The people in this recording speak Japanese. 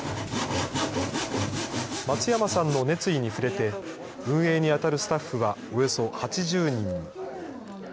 松山さんの熱意に触れて、運営に当たるスタッフはおよそ８０人に。